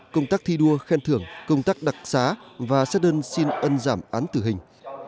công tác thi đua khen thưởng công tác đặc xá và xét đơn xin ân giảm án tử hình